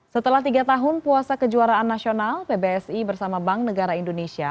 setelah tiga tahun puasa kejuaraan nasional pbsi bersama bank negara indonesia